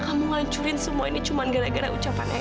kamu ngacurin semua ini cuma gara gara ucapan ayang